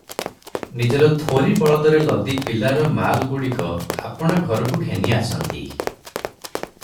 ନିଜର ଥୋରି ବଳଦରେ ଲଦି ପିଲାର ମାଲଗୁଡିକ ଆପଣା ଘରକୁ ଘେନି ଆସନ୍ତି ।